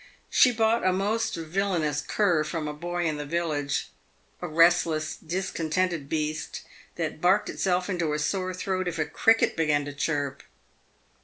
She bought a most villanous cur from a boy in the village, a restless, discontented beast, that barked itself into a sore throat if a cricket began to chirp.